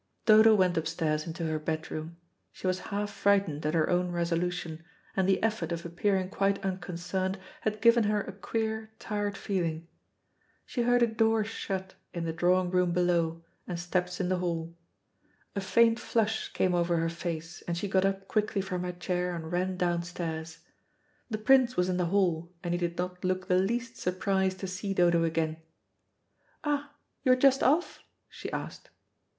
Dodo went upstairs into her bedroom. She was half frightened at her own resolution, and the effort of appearing quite unconcerned had given her a queer, tired feeling. She heard a door shut in the drawing room below, and steps in the hall. A faint flush came over her face, and she got up quickly from her chair and rah downstairs. The Prince was in the hall, and he did not look the least surprised to see Dodo again. "Ah, you are just off?" she asked.